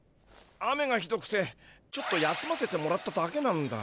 雨がひどくてちょっと休ませてもらっただけなんだ。